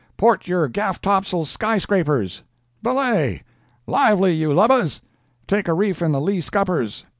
Port your gaff tops'l sky scrapers! Belay! Lively, you lubbus! Take a reef in the lee scuppers!